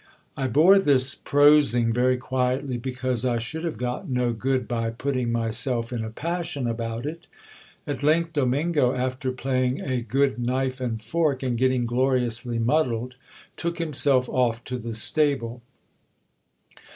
I bore this prosing very quietly, because I should have got no good by put ting myself in a passion about it. At length Domingo, after playing a good knife and fork, and getting gloriously muddled, took himself off to the stable.